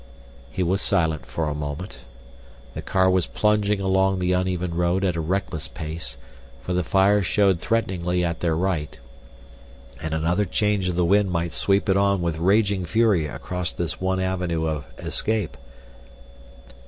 He was silent for a moment. The car was plunging along the uneven road at a reckless pace, for the fire showed threateningly at their right, and another change of the wind might sweep it on with raging fury across this one avenue of escape.